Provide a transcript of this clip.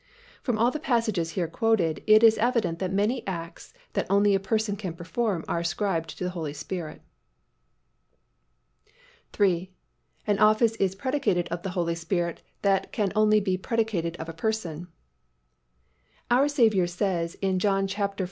From all the passages here quoted, it is evident that many acts that only a person can perform are ascribed to the Holy Spirit. III. An office is predicated of the Holy Spirit that can only be predicated of a person. Our Saviour says in John xiv.